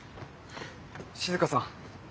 静さん。